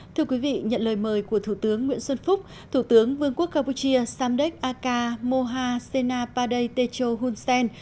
thưa quý vị nhận lời mời của thủ tướng nguyễn xuân phúc thủ tướng vương quốc campuchia samdek aka moha senna pade techo hun sen